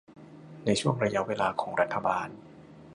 ในช่วงระยะเวลาของรัฐบาล